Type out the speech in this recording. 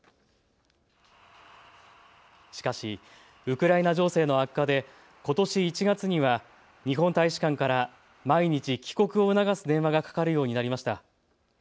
しかし、ウクライナ情勢の悪化でことし１月には日本大使館から毎日帰国を促す電話がかかるようになりました。